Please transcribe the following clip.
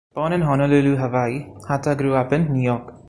Born in Honolulu, Hawaii, Hatta grew up in New York.